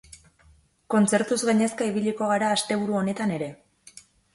Kontzertuz gainezka ibiliko gara asteburu honetan ere.